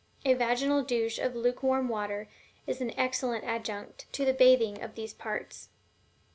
A vaginal douche of lukewarm water is an excellent adjunct to the bathing of the parts.